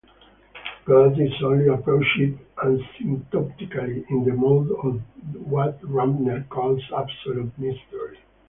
God is only approached asymptotically, in the mode of what Rahner calls absolute mystery.